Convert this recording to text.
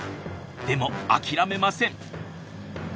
でも諦めません。